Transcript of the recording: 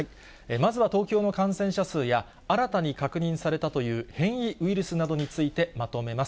まずは東京の感染者数や、新たに確認されたという変異ウイルスなどについてまとめます。